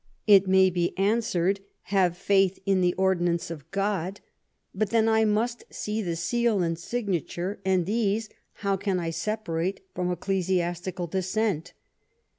It may be answered. Have faith in the ordinance of THE FREE TRADE STRUGGLE 103 God ; but then I must see the seal and signature, and these how can I separate from ecclesiastical descent?